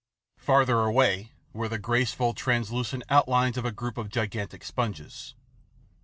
Farther away were the graceful, translucent out lines of a group of gigantic sponges.